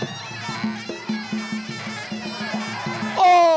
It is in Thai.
มันไม่ได้เก่าครับ